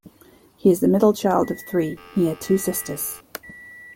He is the middle child of three; he had two sisters.